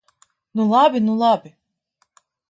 Nu labi, nu labi!